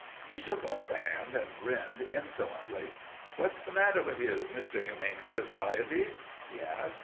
He shook off the hand and grinned insolently. "What's the matter with you, Mr. Humane Society?" he asked.